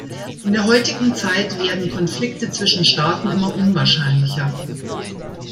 In der heutigen Zeit werden Konflikte zwischen Staaten immer unwahrscheinlicher.